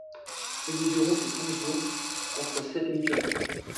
Ils ne dureront que cinq jours, contre sept habituellement.